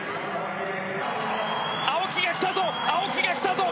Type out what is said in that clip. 青木が来たぞ！